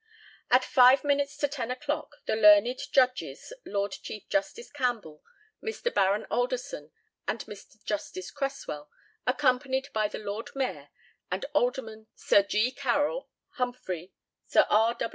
At five minutes to ten o'clock the learned Judges, Lord Chief Justice Campbell, Mr. Baron Alderson, and Mr. Justice Cresswell, accompanied by the Lord Mayor, and Aldermen Sir G. Carroll, Humphrey, Sir R.